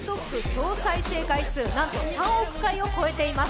総再生回数、なんと３億回を超えています。